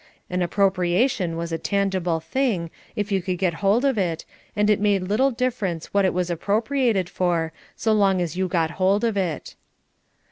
An appropriation was a tangible thing, if you could get hold of it, and it made little difference what it was appropriated for, so long as you got hold of it.